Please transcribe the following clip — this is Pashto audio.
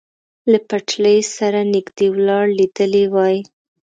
له پټلۍ سره نږدې ولاړ لیدلی وای.